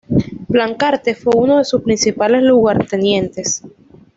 Plancarte fue uno de sus principales lugartenientes.